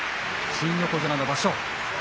新横綱の場所。